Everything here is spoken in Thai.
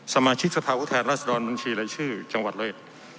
สมาชิกสภาพุทธแทนรัศดรบัญชีรายชื่อจังหวัดเลย